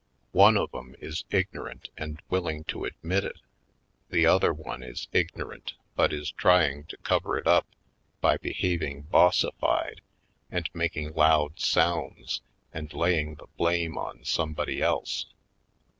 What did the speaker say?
One of 'em is ignorant and willing to admit it; the other one is ignorant but is trying to cover it up by behaving bossified and mak ing loud sounds and laying the blame on somebody else.